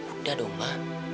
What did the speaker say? udah dong ma